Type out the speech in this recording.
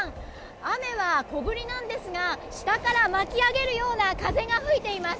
雨は小ぶりなんですが下から巻き上げるような風が吹いています。